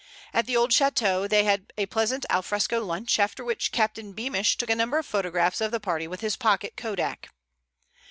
At the old chateau they had a pleasant alfresco lunch, after which Captain Beamish took a number of photographs of the party with his pocket Kodak.